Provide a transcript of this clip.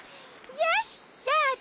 よしどうぞ！